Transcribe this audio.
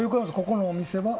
ここのお店は？